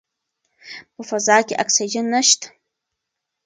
په فضا کې اکسیجن نشته.